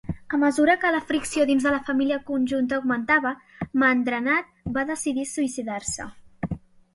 A mesura que la fricció dins de la família conjunta augmentava, Mahendranath va decidir suïcidar-se.